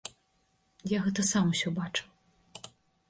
Я гэта сам усё бачыў.